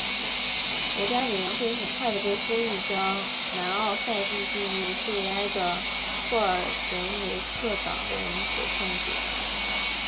国家委员会很快的被呼吁将南奥塞梯并入苏维埃的布尔什维克党人所控制。